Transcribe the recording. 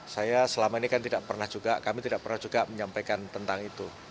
saya selama ini kan tidak pernah juga kami tidak pernah juga menyampaikan tentang itu